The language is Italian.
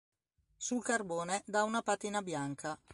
Sul carbone dà una patina bianca.